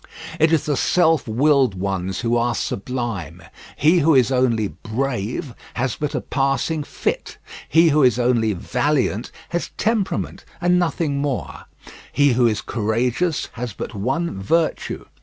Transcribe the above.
It is the self willed ones who are sublime. He who is only brave, has but a passing fit, he who is only valiant has temperament and nothing more, he who is courageous has but one virtue.